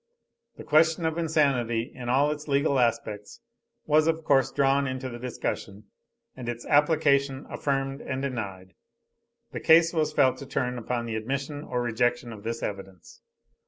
The question of insanity in all its legal aspects was of course drawn into the discussion, and its application affirmed and denied. The case was felt to turn upon the admission or rejection of this evidence.